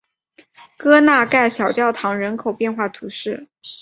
戈纳盖小教堂人口变化图示